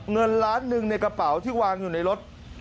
เงินล้านหนึ่งในกระเป๋าที่วางอยู่ในรถ